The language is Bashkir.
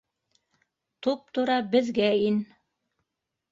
- Туп-тура беҙгә ин.